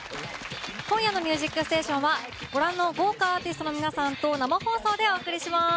今夜の「ミュージックステーション」はご覧の豪華アーティストの皆さんと生放送でお送りします。